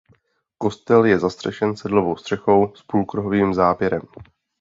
Kostel je zastřešen sedlovou střechou s půlkruhovým závěrem.